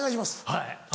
はい。